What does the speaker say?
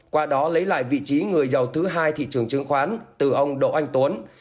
qua đó lấy lại vị trí người giàu thứ hai thị trường chứng khoán từ ông đỗ anh tuấn